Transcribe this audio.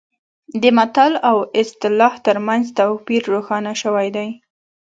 د متل او اصطلاح ترمنځ توپیر روښانه شوی دی